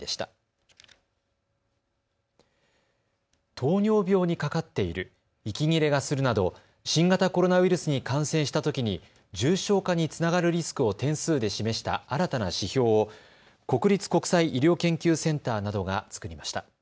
糖尿病にかかっている、息切れがするなど新型コロナウイルスに感染したときに重症化につながるリスクを点数で示した新たな指標を国立国際医療研究センターなどが作りました。